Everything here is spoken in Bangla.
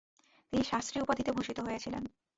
তিনি শাস্ত্রী উপাধিতে ভূষিত হয়েছিলেন।